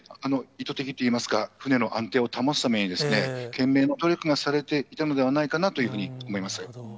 意図的といいますか、船の安定を保つために、懸命の努力がされていたのではないかなと思います。